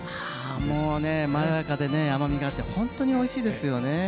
もうねまろやかでね甘みがあってホントにおいしいですよね。